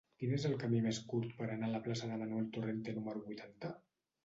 Quin és el camí més curt per anar a la plaça de Manuel Torrente número vuitanta?